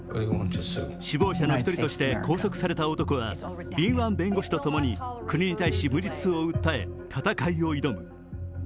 首謀者の１人として拘束された男が敏腕弁護士と共に国に対し無実を訴え戦いを挑む。